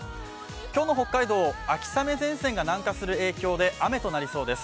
今日の北海道、秋雨前線が南下する影響で雨となりそうです。